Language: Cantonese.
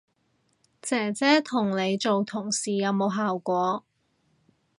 姐姐同你做同事有冇效果